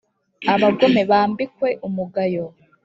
Abagome bambikwe umugayo